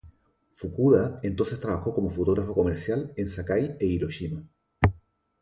Fukuda entonces trabajó como fotógrafo comercial en Sakai e Hiroshima.